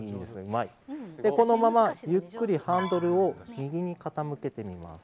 このままゆっくりハンドルを右に傾けてみます。